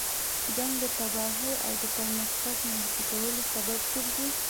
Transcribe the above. جنګ د تباهۍ او د پرمختګ محدودولو سبب ګرځي.